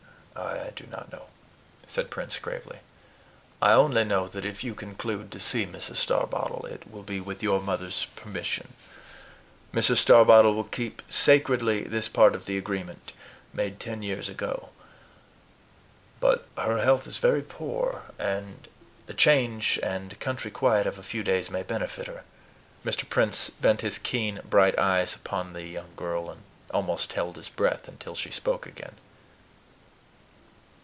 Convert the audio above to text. "I do not know," said Prince gravely. "I only know that if you conclude to see Mrs. Starbottle, it will be with your mother's permission. Mrs. Starbottle will keep sacredly this part of the agreement, made ten years ago. But her health is very poor; and the change and country quiet of a few days may benefit her." Mr. Prince bent his keen, bright eyes upon the young girl, and almost held his breath until she spoke again.